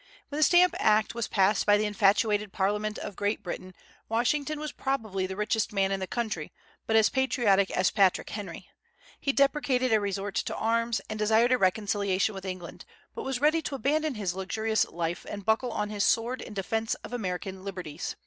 When the Stamp Act was passed by the infatuated Parliament of Great Britain, Washington was probably the richest man in the country, but as patriotic as Patrick Henry. He deprecated a resort to arms, and desired a reconciliation with England, but was ready to abandon his luxurious life, and buckle on his sword in defence of American liberties.